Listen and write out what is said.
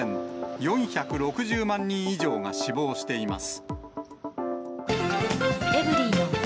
４６０万人以上が死亡しています。